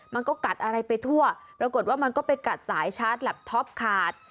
มันก็กัดอะไรไปทั่วปรากฏว่ามันก็ไปกัดสายชาร์จแล็บทท็อปขาด